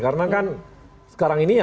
karena kan sekarang ini